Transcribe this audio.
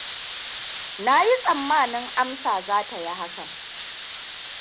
Na yi tsammanin Amsa za ta yi hakan.